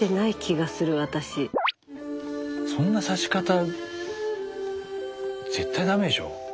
そんなさし方絶対ダメでしょ。